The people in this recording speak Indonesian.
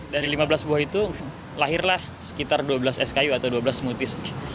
dari lima belas buah itu lahirlah sekitar dua belas es kayu atau dua belas smoothies